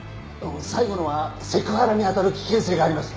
最後のはセクハラにあたる危険性があります。